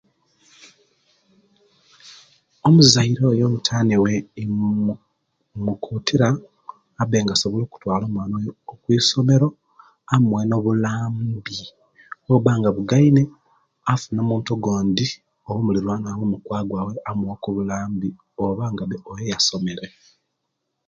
Omuzaire oyo omutani we imukumtira abe nga asobola okutwala omwana okwisomero amuwe nobulambi obuba nga bugaine afune omuntu ogondi oba omulirwqna we omukwano gwe omuwe ku obulambi oba